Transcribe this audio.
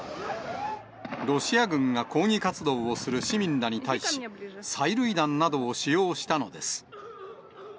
ロシア軍が抗議活動をする市民らに対し、催涙弾などを使用したのです。